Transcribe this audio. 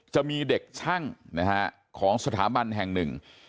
จะมีเด็กช่างนะฮะของสถาบันแห่งหนึ่ง